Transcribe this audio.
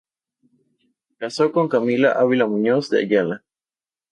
Casó con Camila Ávila Muñoz de Ayala.